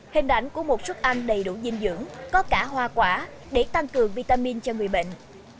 hình ảnh của một suất ăn đầy đủ dinh dưỡng có cả hoa quả để tăng cường vitamin cho người bệnh